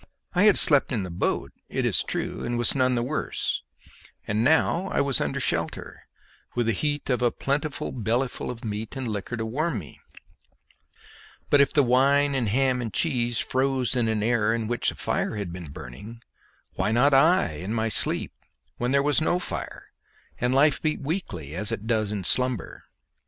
I had slept in the boat, it is true, and was none the worse; and now I was under shelter, with the heat of a plentiful bellyful of meat and liquor to warm me; but if wine and ham and cheese froze in an air in which a fire had been burning, why not I in my sleep, when there was no fire, and life beat weakly, as it does in slumber?